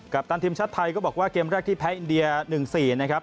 ปตันทีมชาติไทยก็บอกว่าเกมแรกที่แพ้อินเดีย๑๔นะครับ